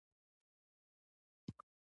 مالګه د انسان بدن ته معدني مواد ورکوي.